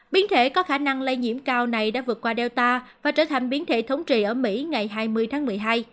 biến thể có khả năng lây nhiễm cao này đã vượt qua delta và trở thành biến thể thống trị ở mỹ ngày hai mươi tháng một mươi hai